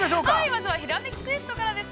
◆まずは「ひらめきクエスト」からです。